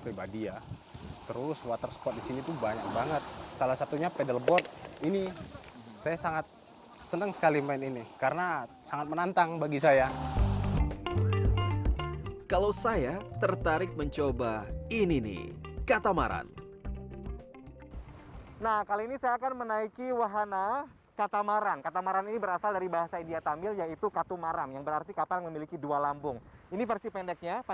peringatan peringatan kegiatan kegiatan yang harus dilaksanakan di desa